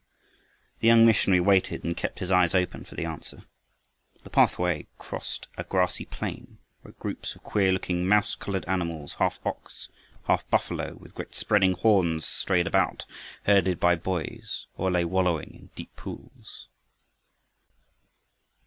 The young missionary waited, and kept his eyes open for the answer. The pathway crossed a grassy plain where groups of queer looking, mouse colored animals, half ox, half buffalo, with great spreading horns, strayed about, herded by boys, or lay wallowing in deep pools.